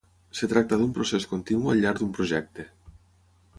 Es tracta d'un procés continu al llarg d'un projecte.